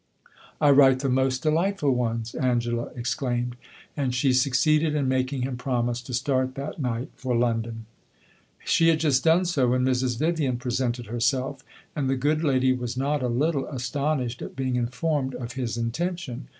"I write the most delightful ones!" Angela exclaimed; and she succeeded in making him promise to start that night for London. She had just done so when Mrs. Vivian presented herself, and the good lady was not a little astonished at being informed of his intention.